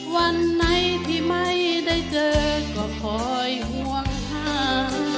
วันไหนที่ไม่ได้เจอก็คอยห่วงหา